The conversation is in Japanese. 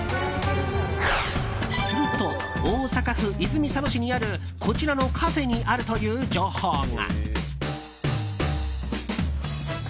すると、大阪府泉佐野市にあるこちらのカフェにあるという情報が。